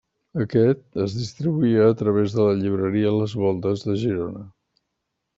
Aquest es distribuïa a través de la llibreria Les Voltes de Girona.